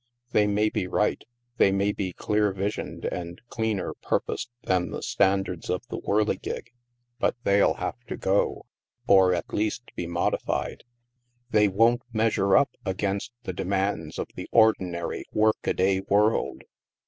They may be right, they may be clearer visioned and cleaner purposed than the standards of the whirligig. But they'll have to go, or, at least, be modified. They won't measure up against the demands of the ordinary work a day world!